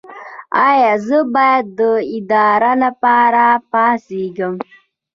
ایا زه باید د ادرار لپاره پاڅیږم؟